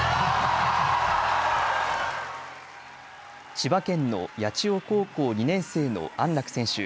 千葉県の八千代高校２年生の安楽選手。